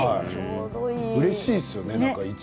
うれしいですよね